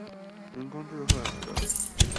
人工智慧來了